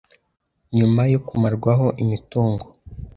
nyuma yo kumarwaho imitungo